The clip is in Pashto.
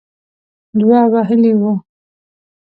دوه وهلې وه.